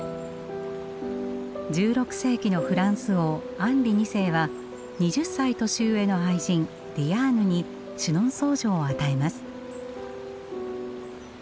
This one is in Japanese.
１６世紀のフランス王アンリ二世は２０歳年上の愛人ディアーヌにシュノンソー城を与えます。